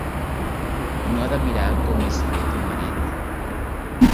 No ha de mirar com és fet un marit?